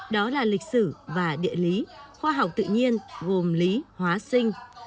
đó là lịch sử và địa lý khoa học tự nhiên gồm lý hóa sinh